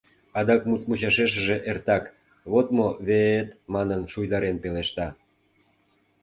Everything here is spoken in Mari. Адак мут мучашешыже эртак, «вот мо ве-эт» манын, шуйдарен пелешта.